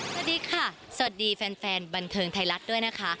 สวัสดีค่ะสวัสดีแฟนบันเทิงไทยรัฐด้วยนะคะ